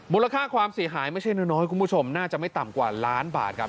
ค่าความเสียหายไม่ใช่น้อยคุณผู้ชมน่าจะไม่ต่ำกว่าล้านบาทครับ